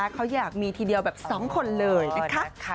เขาอยากมีทีเดียวแบบ๒คนเลยนะคะ